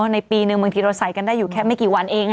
ในปีนึงบางทีเราใส่กันได้อยู่แค่ไม่กี่วันเอง